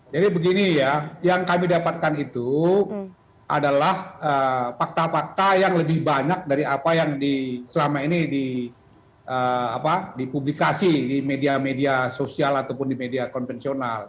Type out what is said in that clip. jadi begini ya yang kami dapatkan itu adalah fakta fakta yang lebih banyak dari apa yang selama ini dipublikasi di media media sosial ataupun di media konvensional